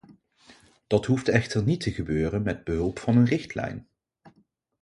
Dat hoeft echter niet te gebeuren met behulp van een richtlijn.